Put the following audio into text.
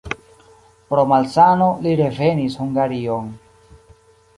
Pro malsano li revenis Hungarion.